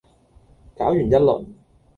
攪完一輪